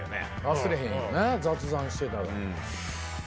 忘れへんよね雑談してたら。